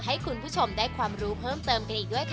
ให้คุณผู้ชมได้ความรู้เพิ่มเติมกันอีกด้วยค่ะ